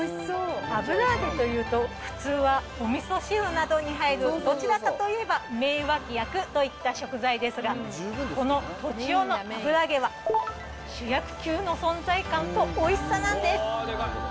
油揚げというと普通はおみそ汁などに入る、どちらかといえば、名脇役といった食材ですが、この栃尾の油揚げは主役級の存在感とおいしさなんです。